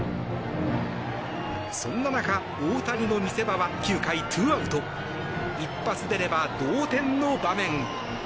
そんな中、大谷の見せ場は９回２アウト一発出れば同点の場面。